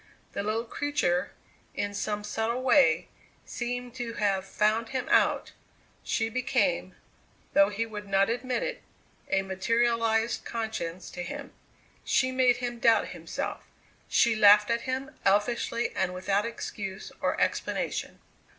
The little creature, in some subtle way, seemed to have "found him out"; she became, though he would not admit it, a materialized conscience to him. She made him doubt himself; she laughed at him, elfishly and without excuse or explanation.